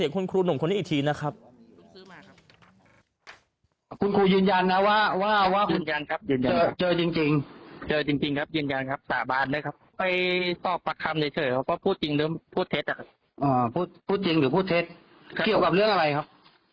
คุณครูหนุ่มคนนี้อีกทีนะครับ